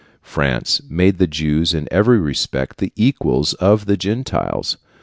France made the Jews in every respect the equals of the Gentiles.